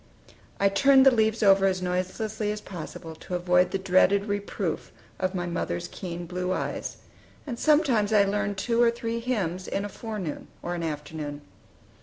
I turned the leaves over as noiselessly as possible, to avoid the dreaded reproof of my mother's keen blue eyes; and sometimes I learned two or three hymns in a forenoon or an afternoon.